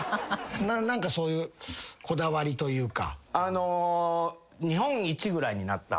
何かそういうこだわりというか。